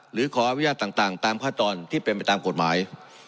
หรือขออนุญาตต่างตามขั้นตอนที่เป็นไปตามกฎหมาย